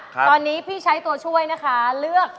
ตอนนี้พี่ใช้ตัวช่วยนะคะเลือก